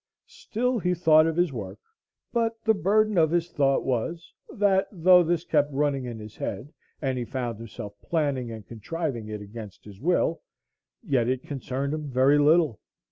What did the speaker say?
Still he thought of his work; but the burden of his thought was, that though this kept running in his head, and he found himself planning and contriving it against his will, yet it concerned him very little.